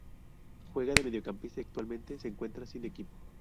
Juega de mediocampista y actualmente se encuentra sin equipo